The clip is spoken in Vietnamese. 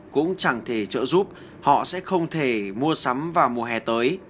cũng chẳng thể trợ giúp họ sẽ không thể mua sắm vào mùa hè tới